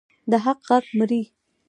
د حق غږ مري؟